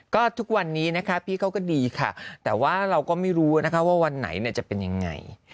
ก็ทุกวันนี้นะคะพี่เขาก็ดีค่ะแต่ว่าเราก็ไม่รู้นะคะว่าวันไหนจะเป็นยังไง